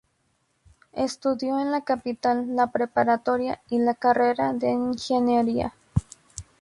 Estudió en la capital la preparatoria y la carrera de ingeniería.